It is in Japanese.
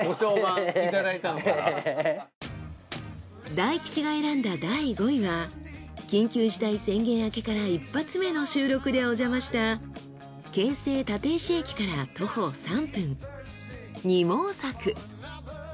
大吉が選んだ第５位は緊急事態宣言明けから１発目の収録でお邪魔した京成立石駅から徒歩３分二毛作。